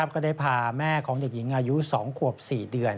ก็ได้พาแม่ของเด็กหญิงอายุ๒ขวบ๔เดือน